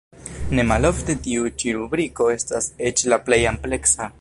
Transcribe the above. Ne malofte tiu ĉi rubriko estas eĉ la plej ampleksa.